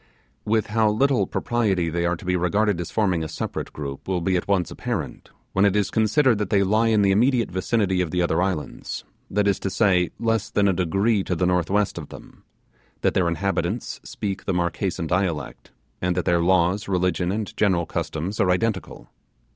With how little propriety they are to be regarded as forming a separate group will be at once apparent, when it is considered that they lie in the immediate vicinity of the other islands, that is to say, less than a degree to the northwest of them; that their inhabitants speak the Marquesan dialect, and that their laws, religion, and general customs are identical.